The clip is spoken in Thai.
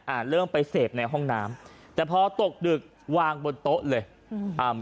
อ่าเริ่มไปเสพในห้องน้ำแต่พอตกดึกวางบนโต๊ะเลยอืมอ่า